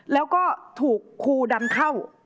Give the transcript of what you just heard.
แล้วก็ถูกครูดันเข้า